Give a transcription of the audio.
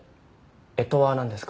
干支は何ですか？